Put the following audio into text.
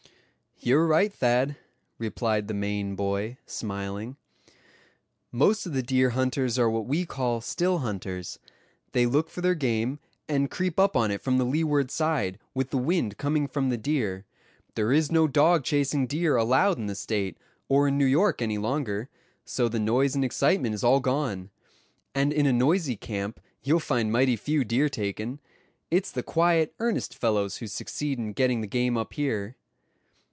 "You're right, Thad," replied the Maine boy, smiling. "Most of the deer hunters are what we call still hunters. They look for their game, and creep up on it from the leeward side, with the wind coming from the deer. There is no dog chasing deer allowed in the state, or in New York, any longer; so the noise and excitement is all gone. And in a noisy camp you'll find mighty few deer taken. It's the quiet, earnest fellows who succeed in getting the game up here."